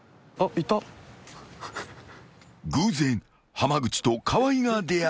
［偶然濱口と河合が出会った］